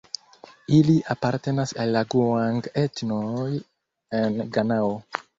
Ili apartenas al la guang-etnoj en Ganao.